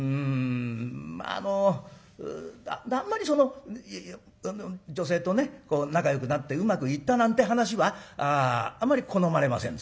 まああのあんまりその女性とね仲よくなってうまくいったなんて話はあまり好まれませんですな。